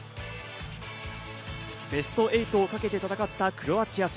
ベスト８かけて戦ったクロアチア戦。